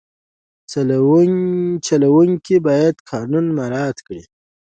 چلوونکی باید قانون مراعت کړي.